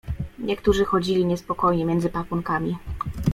Niektórzy chodzili niespokojnie między pakunkami.